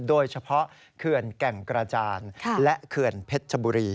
โดยเฉพาะเขื่อนแก่งกระจานและเขื่อนเพชรบุรี